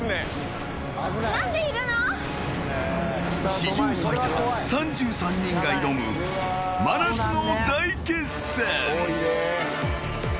史上最多３３人が挑む真夏の大決戦！